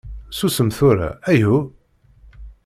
Susem tura, ayhuh!